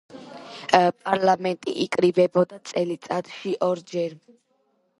პარლამენტი იკრიბებოდა წელიწადში ორჯერ.